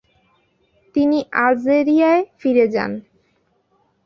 তিনি আলজেরিয়ায় ফিরে যান।